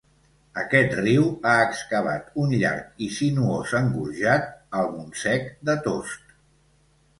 Aquest riu ha excavat un llarg i sinuós engorjat al Montsec de Tost.